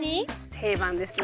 定番ですね。